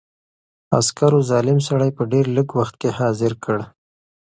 عسکرو ظالم سړی په ډېر لږ وخت کې حاضر کړ.